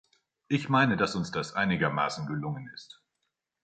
Ich meine, dass uns das einigermaßen gelungen ist.